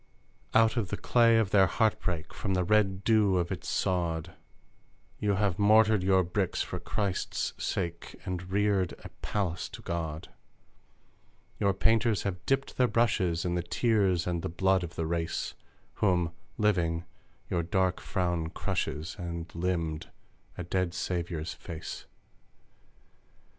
...................... Out of the clay of their heart break, From the red dew of its sod, You have mortared your bricks for Christ's sake And reared a palace to God Your painters have dipped their brushes In the tears and the blood of the race Whom, living, your dark frown crushes And limned a dead Saviour's face!